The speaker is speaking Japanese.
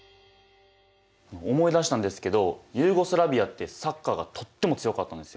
思い出したんですけどユーゴスラヴィアってサッカーがとっても強かったんですよ。